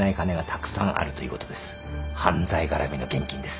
犯罪絡みの現金です。